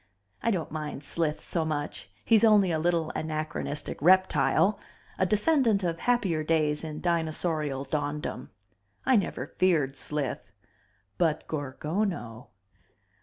I don't mind Slith so much, he's only a little anachronistic reptile, a descendent of happier days in dinosaurial dawndom. I never feared Slith. But Gorgono!